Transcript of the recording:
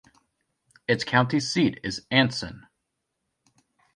Its county seat is Anson.